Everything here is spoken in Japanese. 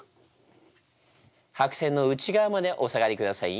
白線の内側までお下がりください。